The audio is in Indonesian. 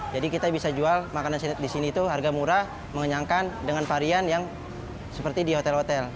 jadi kita bisa jual makanan sandwich di sini itu harga murah mengenyangkan dengan varian yang seperti di hotel hotel